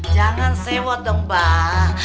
jangan sewot dong mbak